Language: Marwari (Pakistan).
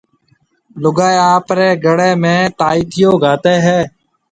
لوگائيَ آپريَ گݪيَ ۾ تائٿيو گھاتيَ ھيََََ